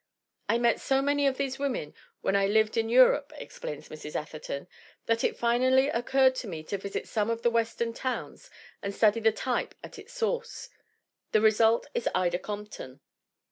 "I met so many of these women when I lived in Europe," explains Mrs. Atherton, "that it finally oc curred to me to visit some of the Western towns and study the type at its source. The result is Ida Comp ton.